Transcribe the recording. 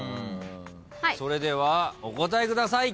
それではお答えください。